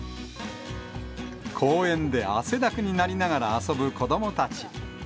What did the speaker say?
公園で汗だくになりながら遊ぶ子どもたち。